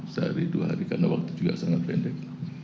sehari dua hari karena waktu juga sangat pendek